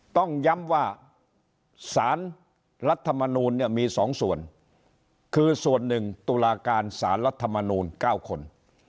ต้องย้ำว่าสารรัฐมนูลเนี่ยมี๒ส่วนคือส่วนหนึ่งตุลาการสารรัฐมนูล๙คน